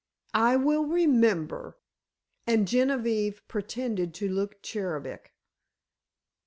"I will remember," and Genevieve pretended to took cherubic.